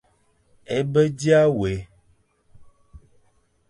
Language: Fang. É be dia wé,